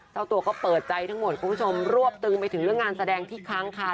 เจ้าตัวก็เปิดใจทั้งหมดคุณผู้ชมรวบตึงไปถึงเรื่องงานแสดงที่ค้างคา